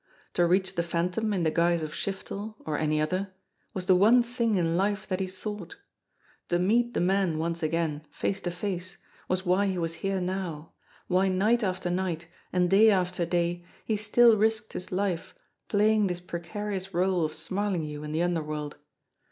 To reach the Phantom, in the guise of Shiftel, or any other, was the one thing in life that he sought ; to meet the man once again face to face was why he was here now, why night after night, and day after day, he still risked his life playing this precarious role of Smarlinghue in the underworld.